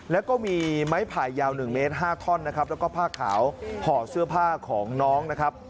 แล้วก็มีไม้ไผ่ยาว๑เมตร๕ท่อนนะครับแล้วก็ผ้าขาวห่อเสื้อผ้าของน้องนะครับ